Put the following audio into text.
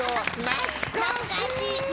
懐かしい。